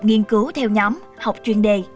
nghiên cứu theo nhóm học chuyên đề